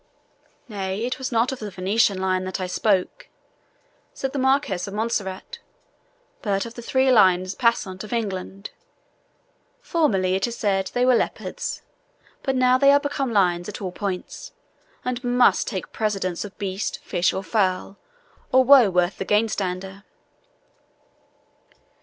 "Nay, it was not of the Venetian lion that I spoke," said the Marquis of Montserrat, "but of the three lions passant of England. Formerly, it is said, they were leopards; but now they are become lions at all points, and must take precedence of beast, fish, or fowl, or woe worth the gainstander."